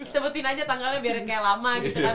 sebutin aja tanggalnya biar kayak lama gitu